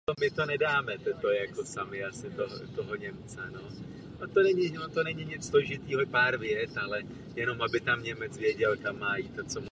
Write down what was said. Píše také povídky.